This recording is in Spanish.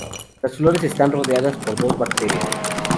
Las flores están rodeadas por dos brácteas.